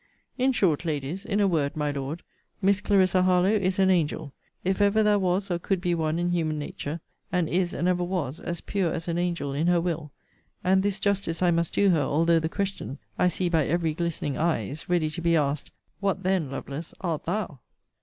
'In short, Ladies, in a word, my Lord, Miss Clarissa Harlowe is an angel; if ever there was or could be one in human nature: and is, and ever was, as pure as an angel in her will: and this justice I must do her, although the question, I see by every glistening eye, is ready to be asked, What then, Lovelace, art thou?'